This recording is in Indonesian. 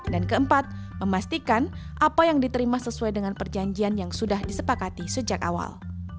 dan keempat memastikan apa yang diterima sesuai dengan perjanjian yang sudah disepakati sejak awal